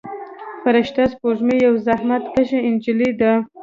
فرشته سپوږمۍ یوه زحمت کشه نجلۍ ده.